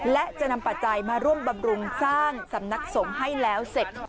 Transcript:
และจะนำปัจจัยมาร่วมบำรุงสร้างสำนักสงฆ์ให้แล้วเสร็จ